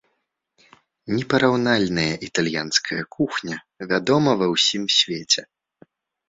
Непараўнальная італьянская кухня вядома ва ўсім свеце.